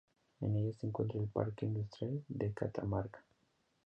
En ella se encuentra el Parque Industrial de Catamarca.